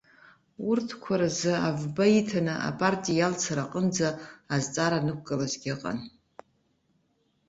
Урҭқәа рзы авба иҭаны апартиа иалцара аҟынӡа азҵаара анықәгылазгьы ыҟан.